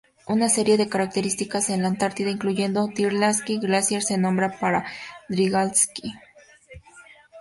Una serie de características en la Antártida, incluyendo Drygalski Glacier, se nombra para Drygalski.